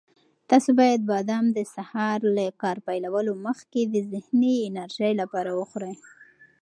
تاسو باید بادام د سهار له کار پیلولو مخکې د ذهني انرژۍ لپاره وخورئ.